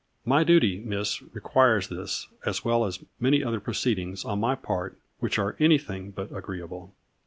My duty, Miss, requires this as well as many other proceedings on my part which are any thing but agreeable."